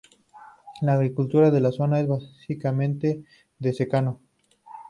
La agricultura de la zona es básicamente de secano.